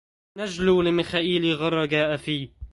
نجل لميخائيل غرة جاء في